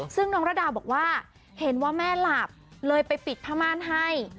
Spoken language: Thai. ซึ่งน้องระดาบอกว่าเห็นว่าแม่หลับเลยไปปิดผ้าม่านให้